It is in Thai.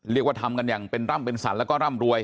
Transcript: เรียกว่าทำกันอย่างเป็นร่ำเป็นสรรแล้วก็ร่ำรวย